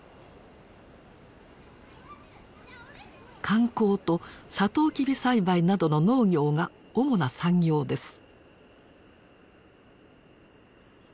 観光とサトウキビ栽培などの農業が主な産業です。